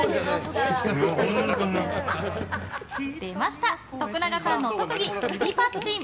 出ました、徳永さんの特技指ぱっちん！